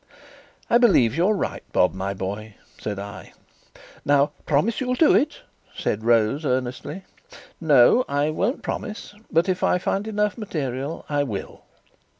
"I believe you are right, Bob, my boy," said I. "Now promise you'll do it," said Rose earnestly. "No, I won't promise; but if I find enough material, I will."